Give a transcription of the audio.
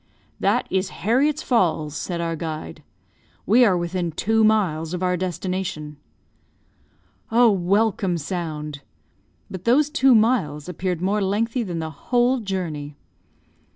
"That is Herriot's Falls," said our guide. "We are within two miles of our destination." Oh, welcome sound! But those two miles appeared more lengthy than the whole journey.